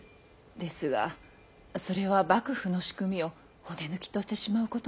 ですがそれは幕府の仕組みを骨抜きとしてしまうことに。